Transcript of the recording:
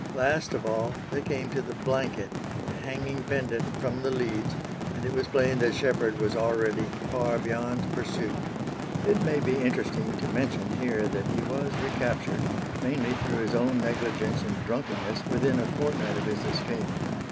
Last of all they came to the blanket hanging pendent from the leads, and it was plain that Sheppard was already far beyond pursuit. It may be interesting to mention here that he was recaptured, mainly through his own negligence and drunkenness, within a fortnight of his escape.